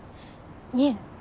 いえ